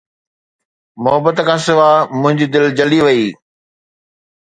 محبت کان سواءِ منهنجي دل جلي وئي